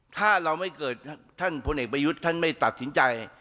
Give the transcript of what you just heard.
ถ้าเราไม่เกิดท่านพลเอกประยุทธ์ท่านไม่ตัดสินใจ